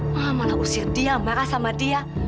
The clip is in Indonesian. mama malah usir dia marah sama dia